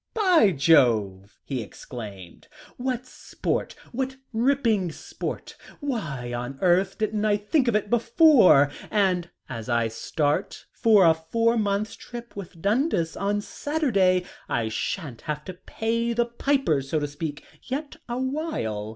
"By Jove!" he exclaimed. "What sport, what ripping sport. Why on earth didn't I think of it before? And as I start for a four months' trip with Dundas on Saturday I shan't have to pay the piper, so to speak, yet awhile.